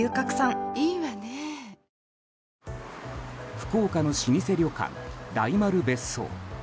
福岡の老舗旅館、大丸別荘。